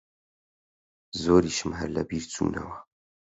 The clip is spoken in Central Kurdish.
زۆریشم هەر لەبیر چوونەوە